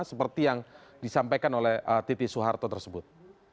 seperti yang disampaikan oleh titi soeharto tersebut